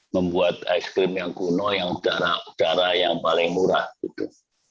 membuat es krim yang kuno yang udara yang paling murah gitu